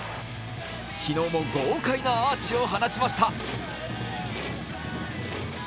昨日も豪快なアーチを放ちました。